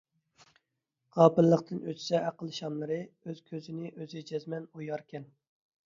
غاپىللىقتىن ئۆچسە ئەقىل شاملىرى، ئۆز كۆزىنى ئۆزى جەزمەن ئوياركەن ...